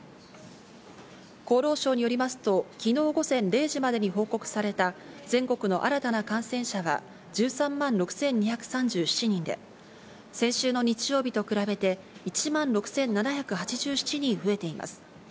厚労省によりますと昨日午前０時までに報告された全国の新たな感染者は１３万６２３７人で、先週の日曜日と比べて１万６７８７人増えています。